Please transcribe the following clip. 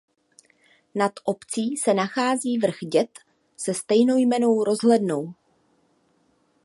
Nad obcí se nachází vrch Děd se stejnojmennou rozhlednou.